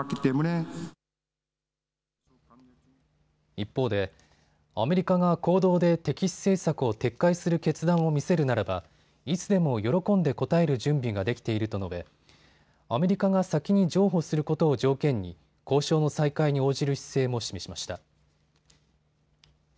一方で、アメリカが行動で敵視政策を撤回する決断を見せるならばいつでも喜んで応える準備ができていると述べ、アメリカが先に譲歩することを条件に交渉の再開に応じる姿勢も示しました。